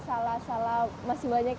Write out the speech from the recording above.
salah salah masih banyak